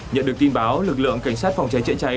nhận được tin báo lực lượng cảnh sát phòng cháy chữa cháy